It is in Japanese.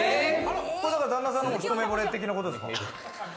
旦那さんの一目ぼれってことですか？